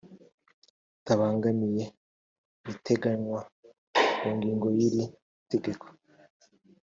bitabangamiye ibiteganywa mu ngingo ya y iri tegeko